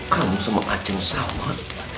kamu sama anjing sama